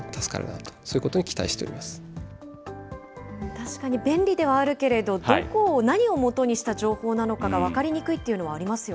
確かに便利ではあるけれども、どこを、何をもとにした情報なのかが分かりにくいっていうのはありますよ